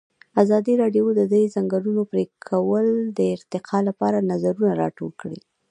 ازادي راډیو د د ځنګلونو پرېکول د ارتقا لپاره نظرونه راټول کړي.